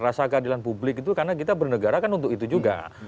rasa keadilan publik itu karena kita bernegara kan untuk itu juga